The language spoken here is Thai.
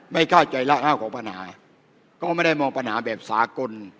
ไม่เข้าใจละห้าวของปัญหาก็ไม่ได้มองปัญหาแบบสากล